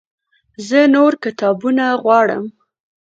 زه نور کتابونه غواړم